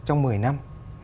trong một mươi năm